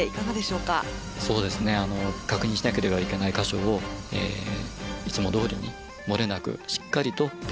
そうですね確認しなければいけない箇所をいつもどおりに漏れなくしっかりと点検したと思います。